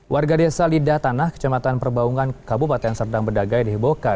warga desa lidah tanah kecamatan perbaungan kabupaten serdang bedagai dihebohkan